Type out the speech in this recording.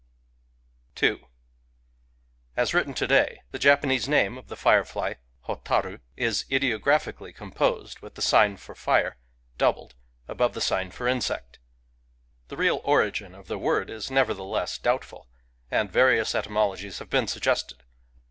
II As written to day, the Japanese name of the fire fly {botarii) is ideographically co mposed with the sign for fire, doubled, above the sign for insect. The real origin of the word is nevertheless doubt ful ; and various etymologies have been suggested.